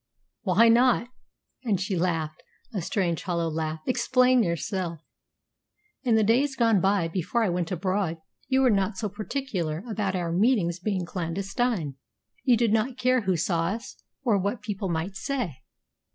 "Why not?" And she laughed, a strange, hollow laugh. "Explain yourself." "In the days gone by, before I went abroad, you were not so particular about our meetings being clandestine. You did not care who saw us or what people might say."